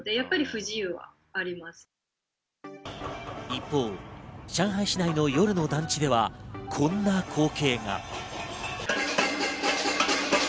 一方、上海市内の夜の団地では、こんな光景が。